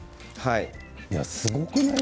すごくない？